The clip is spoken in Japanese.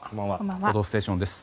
「報道ステーション」です。